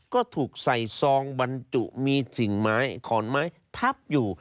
ก็ถูกใส่ซองบรรจุมีสิ่งไม้ขอนไม้ทับอยู่